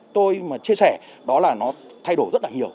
tôi mà chia sẻ đó là nó thay đổi rất là nhiều